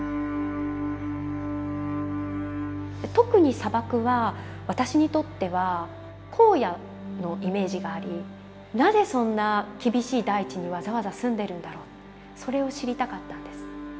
特に砂漠は私にとっては荒野のイメージがありなぜそんな厳しい大地にわざわざ住んでるんだろうそれを知りたかったんです。